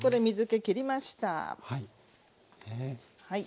はい。